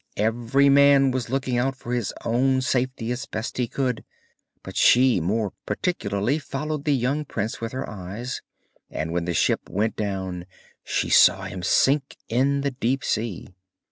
Every man was looking out for his own safety as best he could; but she more particularly followed the young prince with her eyes, and when the ship went down she saw him sink in the deep sea.